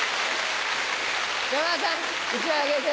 山田さん１枚あげて。